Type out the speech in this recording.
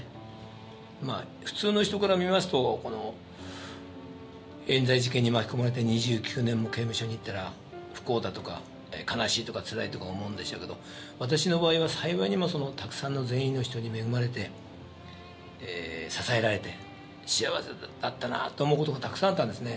普通の人から見ますとえん罪事件に巻き込まれて２９年も刑務所にいたら不幸だとか悲しいとかつらいとか思うんでしょうけど私の場合は幸いにもたくさんの善意の人に恵まれて支えられて幸せだったなと思う事がたくさんあったんですね。